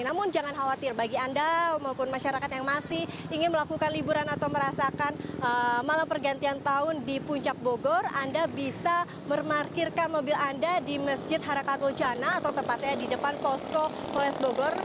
namun jangan khawatir bagi anda maupun masyarakat yang masih ingin melakukan liburan atau merasakan malam pergantian tahun di puncak bogor anda bisa memarkirkan mobil anda di masjid harakatul jana atau tepatnya di depan posko polres bogor